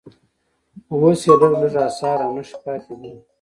اوس یې لږ لږ اثار او نښې پاتې دي.